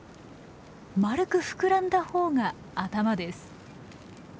丸く膨らんだほうが頭です。